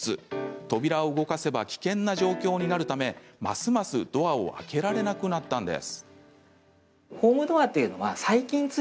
扉を動かせば危険な状況になるためますますドアを開けられなくなったんです。